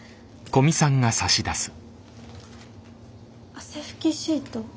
汗拭きシート？